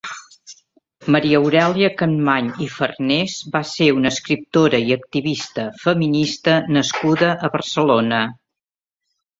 Maria Aurèlia Capmany i Farnés va ser una escriptora i activista feminista nascuda a Barcelona.